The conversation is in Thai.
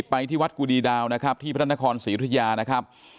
ไปที่วัดกุดีดาวนะครับที่พระนครศรีอุทยานะครับ